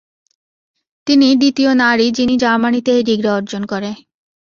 তিনি দ্বিতীয় নারী যিনি জার্মানিতে এই ডিগ্রি অর্জন করে।